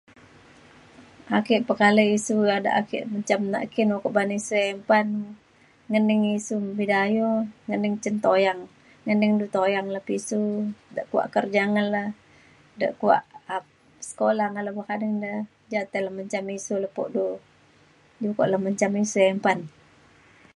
ake pekalai isu bada ake menjam nak ki ukok ban ku isu uban ngening isu Bidayuh ngening cin tuyang ngening du tuyang le pisu de kuak kerja ngan le de kuak ap- sekula ngan [unintelligible] kading le ja te le menjam ngening lepo du ukok le menjam isiu Iban.